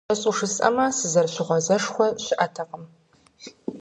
КӀэщӀу жысӀэмэ, сызэрыщыгъуазэшхуэ щыӀэтэкъым.